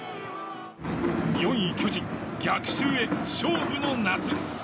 ４位巨人、逆襲へ勝負の夏。